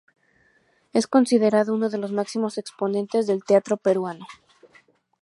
Es considerado uno de los máximos exponentes del teatro peruano.